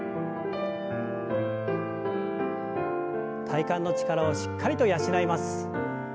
体幹の力をしっかりと養います。